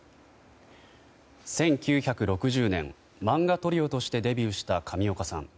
１９６０年、漫画トリオとしてデビューした上岡さん。